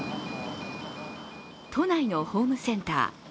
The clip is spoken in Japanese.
都内のホームセンター。